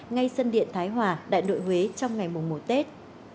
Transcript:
ngay sân điện thái hòa đại nội huế trong ngày mùng một tết